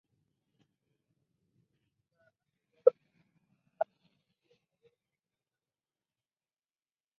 She also won Best New Artist.